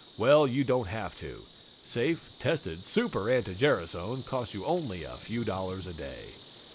Well, you don't have to. Safe, tested Super anti gerasone costs you only a few dollars a day.